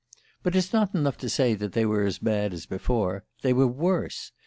"But it's not enough to say they were as bad as before: they were worse.